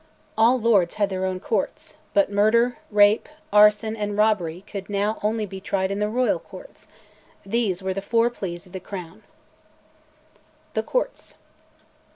All lords had their own Courts, but murder, rape, arson, and robbery could now only be tried in the royal Courts; these were "The Four Pleas of the Crown." THE COURTS.